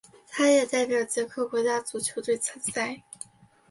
他也代表捷克国家足球队参赛。